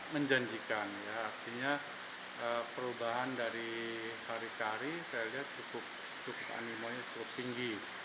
menjanjikan ya artinya perubahan dari hari ke hari saya lihat cukup animonya cukup tinggi